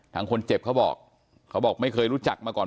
ทางคนเจ็บเขาบอกเขาบอกไม่เคยรู้จักมาก่อน